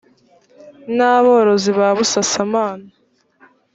n aborozi ba busasamana